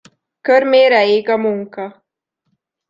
Körmére ég a munka.